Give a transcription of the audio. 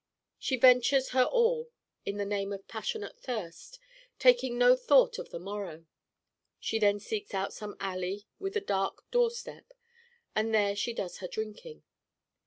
She ventures her all in the name of passionate thirst taking no thought of the morrow. She then seeks out some alley with a dark door step and there she does her drinking.